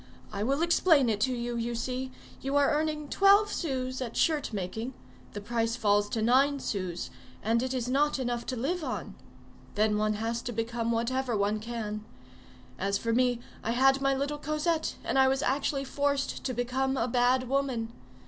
I will explain it to you, you see: you are earning twelve sous at shirt making, the price falls to nine sous; and it is not enough to live on. Then one has to become whatever one can. As for me, I had my little Cosette, and I was actually forced to become a bad woman.